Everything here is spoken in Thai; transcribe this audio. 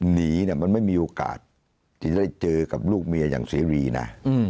หนีเนี่ยมันไม่มีโอกาสที่จะได้เจอกับลูกเมียอย่างเสรีนะ